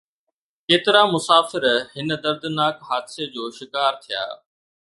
ڪيترا مسافر هن دردناڪ حادثي جو شڪار ٿيا